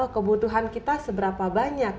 kebutuhan kita seberapa banyak